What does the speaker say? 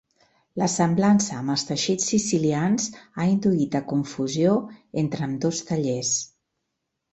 La semblança amb els teixits sicilians ha induït a confusió entre ambdós tallers.